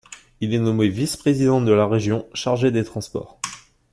Il est nommé vice-président de la Région chargé des transports.